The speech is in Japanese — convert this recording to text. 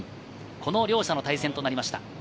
この両者の対戦となりました。